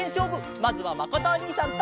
まずはまことおにいさんと。